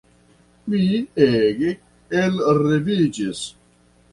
Mi ege elreviĝis.